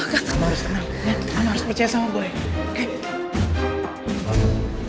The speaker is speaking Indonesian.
lihat mama harus percaya sama boy